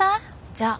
じゃあ。